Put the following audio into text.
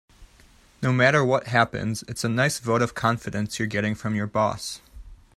No matter what happens, it's a nice vote of confidence you're getting from your boss.